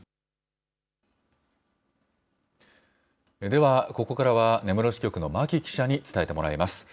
では、ここからは、根室支局の牧記者に伝えてもらいます。